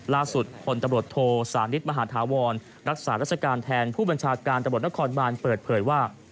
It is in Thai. ล่าสุดพลตำรวจโทสานิทมหาธาวรรักษาราชการแทนผู้บัญชาการตำรวจนครบานเปิดเผยว่า